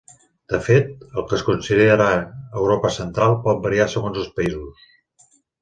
De fet, el que es considera Europa Central pot variar segons els països.